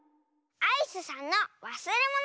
「アイスさんのわすれもの」